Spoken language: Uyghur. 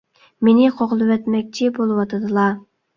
مېنى قوغلىۋەتمەكچى بولۇۋاتىدىلا.